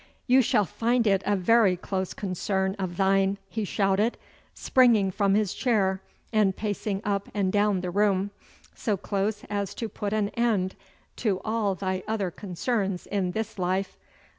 'You shall find it a very close concern of thine,' he shouted, springing from his chair and pacing up and down the room; 'so close as to put an end to all thy other concerns in this life.